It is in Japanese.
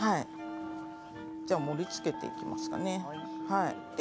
盛りつけていきますね。